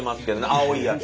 青いやつ。